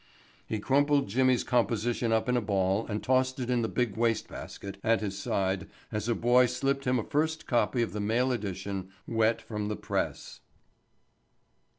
He crumpled Jimmy's composition up in a ball and tossed it in the big waste basket at his side as a boy slipped him a first copy of the mail edition wet from the press.